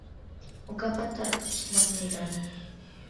مۇكاپات تارقىتىش نەق مەيدانى.